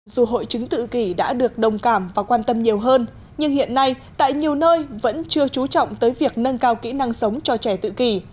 dù hội chứng tự kỷ đã được đồng cảm và quan tâm nhiều hơn nhưng hiện nay tại nhiều nơi vẫn chưa trú trọng tới việc nâng cao kỹ năng sống cho trẻ tự kỷ